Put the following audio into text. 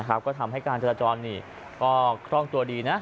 ก็ทำให้การจราจรก็คล่องตัวดีนะ